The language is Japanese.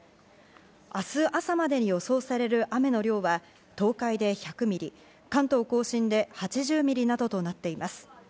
明日朝までに予想される雨の量は東海で１００ミリ、関東甲信で８０ミリなどとなっています。